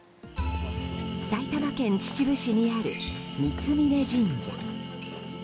埼玉県秩父市にある三峯神社。